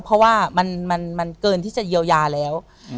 เพราะว่ามันเกินที่จะเยียวยาแล้ว